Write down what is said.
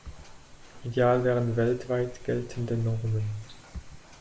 Ideal wären weltweit geltende Normen.